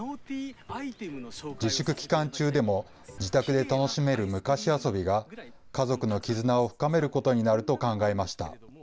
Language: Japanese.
自粛期間中でも、自宅で楽しめる昔遊びが家族の絆を深めることになると考えました。